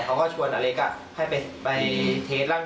เขาก็ชวนนาเลกะให้ไปเทสต์ล่ะ